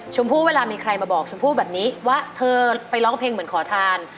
ชมพู่เวลามีใครมาบอกชมพู่แบบนี้ว่าเธอไปร้องเพลงเหมือนขอทาน